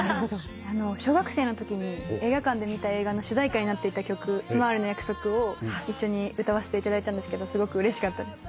小学生のときに映画館で見た映画の主題歌になっていた曲『ひまわりの約束』を一緒に歌わせていただいたんですけどすごくうれしかったです。